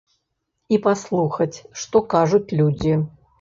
І паслухаць, што кажуць людзі.